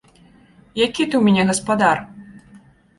Які ты ў мяне гаспадар?